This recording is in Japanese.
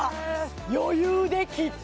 余裕で切った！